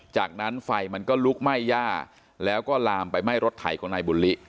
จากนั้นไฟมันก็ลุกไหม้ย่าแล้วก็ลามไปไหม้รถไถของนายบุลลิ